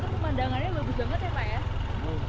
pemandangannya bagus banget ya pak ya